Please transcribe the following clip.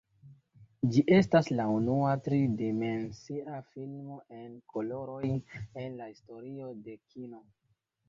Ĝi estas la unua tri-dimensia filmo en koloroj en la historio de kino.